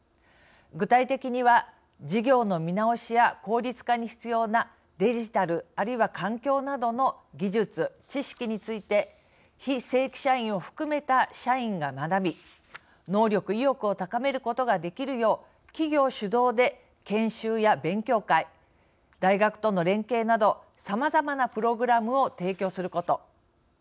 具体的には事業の見直しや効率化に必要なデジタルあるいは環境などの技術、知識について非正規社員を含めた社員が学び能力、意欲を高めることができるよう、企業主導で研修や勉強会大学との連携などさまざまなプログラムを提供すること。